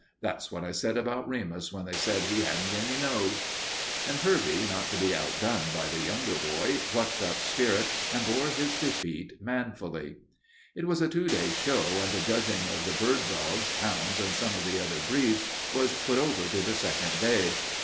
That's what I said about Remus when they said he hadn't any nose." And Herbie, not to be outdone by the younger boy, plucked up spirit and bore his defeat manfully. It was a two day show, and the judging of the bird dogs, hounds, and some of the other breeds was put over to the second day.